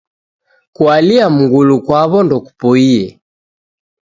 Kualia mngulu kwaw'o ndokupoie.